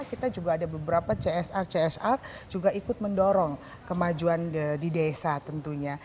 kita juga ada beberapa csr csr juga ikut mendorong kemajuan di desa tentunya